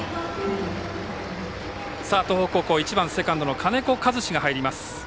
東北高校、１番セカンドの金子和志が入ります。